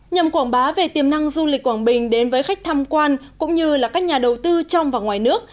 nhằm quảng bá về tiềm năng du lịch quảng bình đến với khách tham quan cũng như là các nhà đầu tư trong và ngoài nước